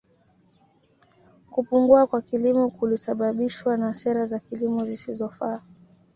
Kupungua kwa kilimo kulisababishwa na sera za kilimo zisizofaa